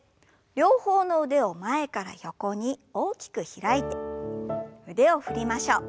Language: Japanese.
両方の腕を前から横に大きく開いて腕を振りましょう。